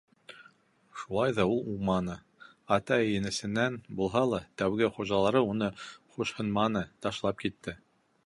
Шулай ҙа ул уңманы: ата енесенән булһа ла, тәүге хужалары уны хушһынманы, ташлап китте.